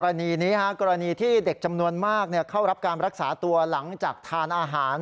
กรณีนี้กรณีที่เด็กจำนวนมากเข้ารับการรักษาตัวหลังจากทานอาหาร